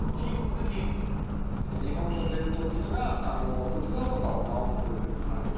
日本の伝統的な器とかを直す技術ですね。